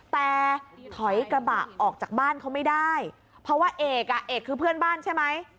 แต่ถอยกระบะออกจากบ้านเขาไม่ได้เพราะว่าเอกอ่ะเอกคือเพื่อนบ้านใช่ไหม